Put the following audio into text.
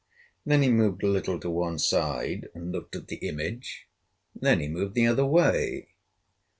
Then he moved a little to one side and looked at the image, then he moved the other way.